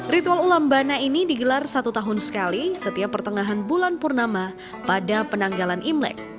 ritual ulambana ini digelar satu tahun sekali setiap pertengahan bulan purnama pada penanggalan imlek